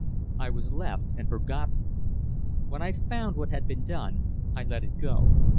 "I was left, and forgotten. When I found what had been done, I let it go.